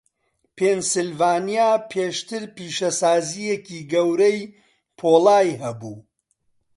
پێنسیلڤانیا پێشتر پیشەسازییەکی گەورەی پۆڵای هەبوو.